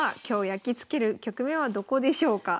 やきつける局面はどこでしょうか？